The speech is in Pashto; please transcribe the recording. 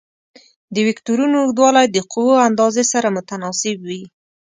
د وکتورونو اوږدوالی د قوو اندازې سره متناسب وي.